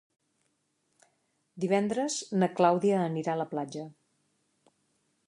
Divendres na Clàudia anirà a la platja.